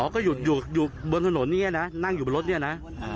อ๋อก็อยู่บนถนนนี่นะนั่งอยู่บนรถนี่นะ